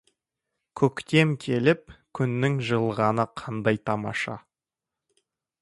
Көктем келіп, күннің жылынғаны қандай тамаша!